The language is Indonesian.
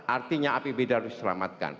artinya apbd harus diselamatkan